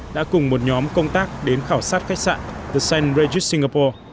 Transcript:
đã cùng một nhóm công tác đến khảo sát khách sạn the st regis singapore